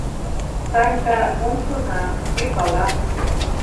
Санька мом шона, кӧ пала...